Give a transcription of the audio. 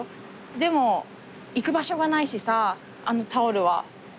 でも行く場所がないしさあのタオルは。